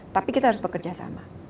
tapi kita harus bekerja sama